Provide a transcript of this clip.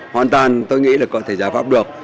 hoàn toàn tôi nghĩ là có thể giải pháp được